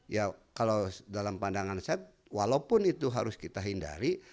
ya kalau dalam pandangan saya walaupun itu harus kita hindari